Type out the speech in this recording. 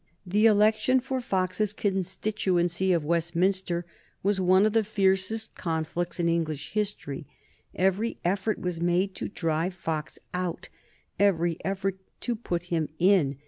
The election for Fox's constituency of Westminster was one of the fiercest conflicts in English history. Every effort was made to drive Fox out, every effort to put him in.